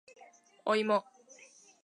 おいも